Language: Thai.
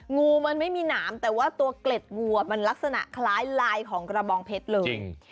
งูมันไม่มีหนามแต่ว่าตัวเกล็ดงูมันลักษณะคล้ายลายของกระบองเพชรเลย